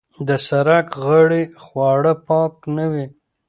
د سرک غاړې خواړه پاک نه وي.